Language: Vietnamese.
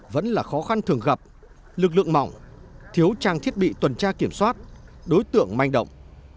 vẫn là khó khăn thường gặp lực lượng mỏng thiếu trang thiết bị tuần tra kiểm soát đối tượng manh động